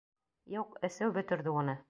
Юҡ, эсеү бөтөрҙө уны.